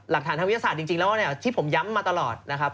ทางวิทยาศาสตร์จริงแล้วที่ผมย้ำมาตลอดนะครับ